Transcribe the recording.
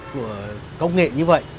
của công nghệ như vậy